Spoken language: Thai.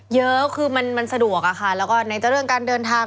เยอะคือมันสะดวกอะค่ะแล้วก็ไหนจะเรื่องการเดินทาง